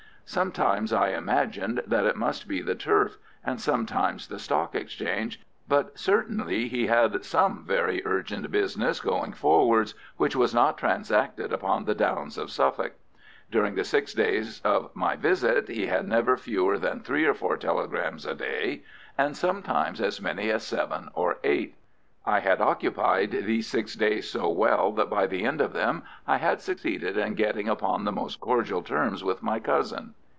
Sometimes I imagined that it must be the turf, and sometimes the Stock Exchange, but certainly he had some very urgent business going forwards which was not transacted upon the Downs of Suffolk. During the six days of my visit he had never fewer than three or four telegrams a day, and sometimes as many as seven or eight. I had occupied these six days so well, that by the end of them I had succeeded in getting upon the most cordial terms with my cousin.